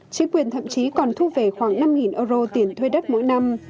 chính quyền thậm chí còn thu về khoảng năm euro tiền thuê đất mỗi năm